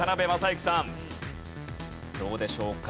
どうでしょうか？